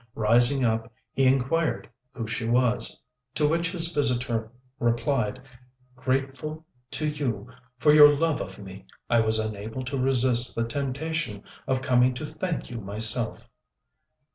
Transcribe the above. Rising up, he inquired who she was; to which his visitor replied, "Grateful to you for your love of me, I was unable to resist the temptation of coming to thank you myself."